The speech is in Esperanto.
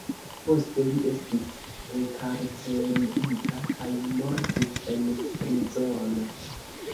Poste li estis enkarcerigita kaj mortis en prizono.